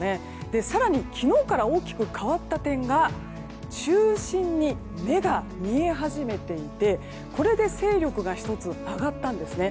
更に、昨日から大きく変わった点が中心に目が見え始めていてこれで勢力が１つ上がったんですね。